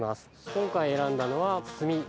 今回選んだのは。